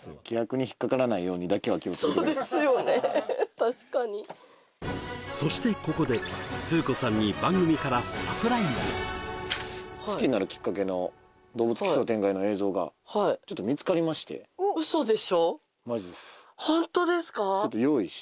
確かにそしてここで風子さんに番組からサプライズ好きになるきっかけの「どうぶつ奇想天外！」の映像がちょっと見つかりましてマジです